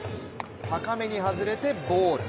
高めに外れてボール。